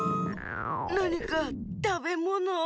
なにかたべものを！